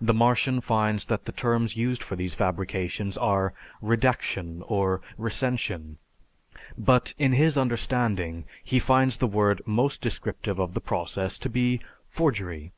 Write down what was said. The Martian finds that the terms used for these fabrications are "redaction" or "recension," but, in his understanding, he finds the word most descriptive of the process to be forgery.